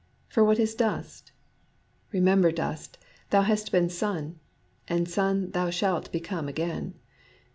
For what is dust ?" Remember, Dust, thou hast been Sun, and Sun thou shalt become again!